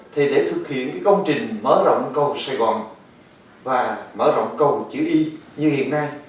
thì để thực hiện công trình mở rộng cầu sài gòn và mở rộng cầu chữ y như hiện nay